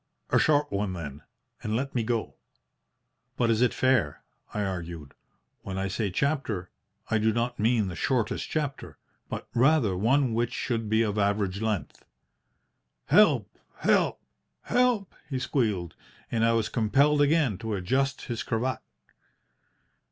"'A short one, then, and let me go!' "'But is it fair?' I argued. 'When I say a chapter, I do not mean the shortest chapter, but rather one which should be of average length.' "'Help! help! help!' he squealed, and I was compelled again to adjust his cravat.